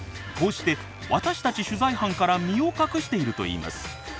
こうして私たち取材班から身を隠しているといいます。